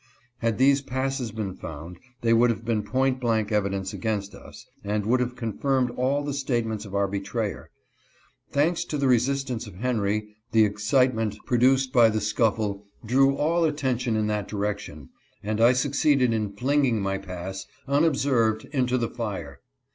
Had these passes been found, they would have been point blank evidence against us, and would have confirmed all the statements of our betrayer. Thanks to the resistance of Henry, the excite Driven to Jail for Running Away. DRAGGED TO PRISON. 211 ment produced by the scuffle drew all attention in that direction, and I succeeded in flinging my pass, unob served, into the fire.